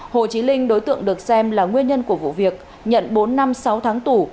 hồ chí linh đối tượng được xem là nguyên nhân của vụ việc nhận bốn năm sáu tháng tù